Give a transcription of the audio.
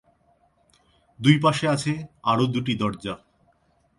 দুই পাশে আছে আরও দুটি দরজা।